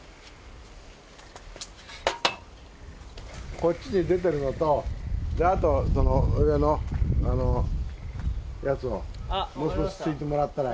こっちに出てるのとであとその上のやつをもう少しすいてもらったらいい。